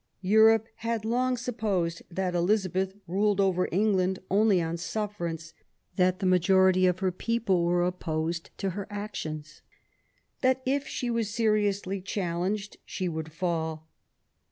Europe had long supposed that Elizabeth ruled over England only on sufferance ; that the great majority of her people were opposed to her actions ; that if she was seriously challenged she would fall.